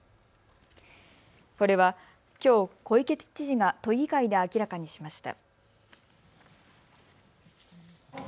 これはきょう、小池知事が都議会で明らかにしました。